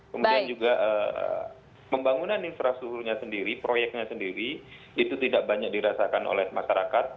kemudian juga pembangunan infrastrukturnya sendiri proyeknya sendiri itu tidak banyak dirasakan oleh masyarakat